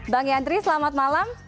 bang yandri selamat malam